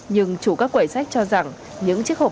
nhưng chủ các quầy sách cho rằng những chiếc hộp